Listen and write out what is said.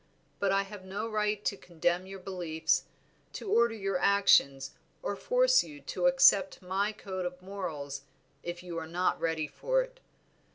But I have no right to condemn your beliefs, to order your actions, or force you to accept my code of morals if you are not ready for it.